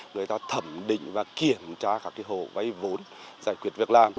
người ta thẩm định và kiểm tra các hồ vay vốn giải quyết việc làm